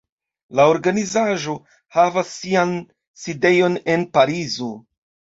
La organizaĵo havas sian sidejon en Parizo.